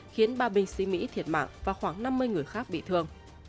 khiến ba bình sĩ mỹ thiệt mạng và khoảng năm mươi đồng